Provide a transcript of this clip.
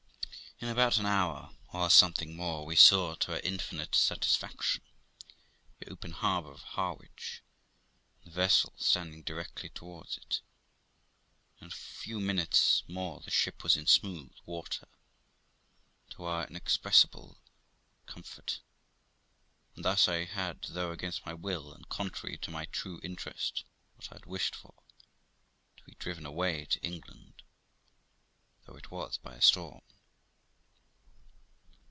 In about an hour, or something more, we saw, to our infinite satisfaction, the open harbour of Harwich, and the vessel standing directly towards it, and in a few minutes more the ship was in smooth water, to our inexpressible comfort; and thus I had, though against my will and contrary to my true interest, what I wished for, to be driven away to England, though it was by a storm.